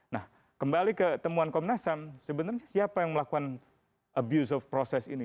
nah kembali ke temuan komnasam sebenarnya siapa yang melakukan abuse of proses ini